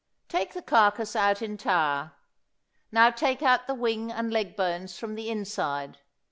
Take the carcass out entire. Now take out the wing and leg bones from the inside.